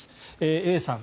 Ａさん